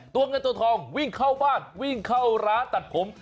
ตัวเงินตัวทองวิ่งเข้าบ้านวิ่งเข้าร้านตัดผม